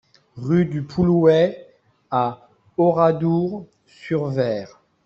Rue de Pouloueix à Oradour-sur-Vayres